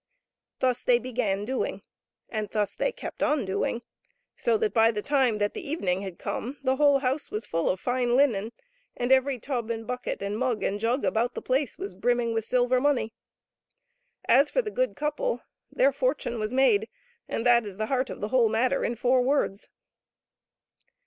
Thus they began doing, and thus they kept on doing; so that by the time that the evening had come the whole house was full of fine linen, and every tub and bucket and mug and jug about the place was brimming with silver money. As for the good couple, their fortune was made, and that is the heart of the whole matter in four words.